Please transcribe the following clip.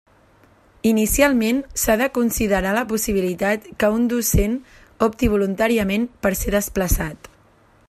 Inicialment, s'ha de considerar la possibilitat que un docent opti voluntàriament per ser desplaçat.